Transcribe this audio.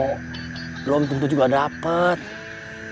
tidak tentu bisa mendapatkan